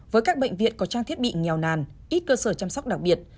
với các bệnh viện có trang thiết bị nghèo nàn ít cơ sở chăm sóc đặc biệt